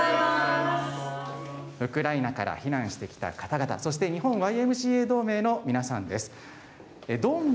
ウクライナから避難してきた方々、そして日本ＹＭＣＡ同盟の皆さんです。